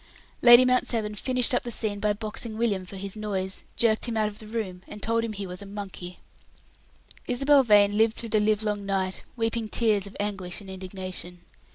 Lady Mount Severn finished up the scene by boxing William for his noise, jerked him out of the room, and told him he was a monkey. Isabel Vane lived through the livelong night, weeping tears of anguish and indignation.